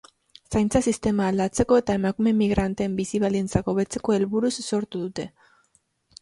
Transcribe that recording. Zaintza sistema aldatzeko eta emakume migranteen bizi baldintzak hobetzeko helburuz sortu dute.